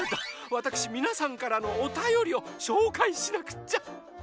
わたくしみなさんからのおたよりをしょうかいしなくっちゃ。